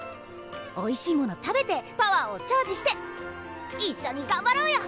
おいしいもの食べてパワーをチャージして一緒に頑張ろうよ。